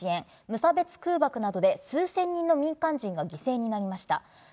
無差別空爆などで、数千人の民間人が犠牲になりました。